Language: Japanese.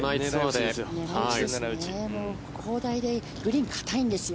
砲台でグリーンは硬いんですよ。